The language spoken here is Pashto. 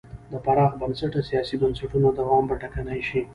د پراخ بنسټه سیاسي بنسټونو دوام به ټکنی شي.